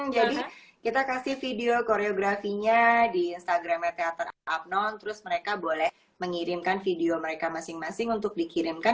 jadi kita kasih video koreografinya di instagramnya teater abnone terus mereka boleh mengirimkan video mereka masing masing untuk dikirimkan